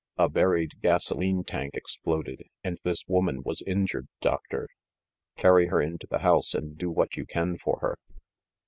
"A buried gasoline tank exploded, and this woman was injured, doctor. Carry her into the house and do what you can for her."